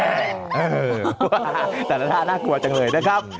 แต่ละท่าน่ากลัวจังเลยนะครับ